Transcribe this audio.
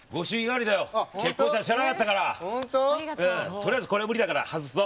とりあえずこれは無理だから外すぞ。